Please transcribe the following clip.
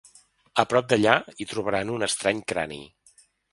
A prop d’allà, hi trobaran un estrany crani.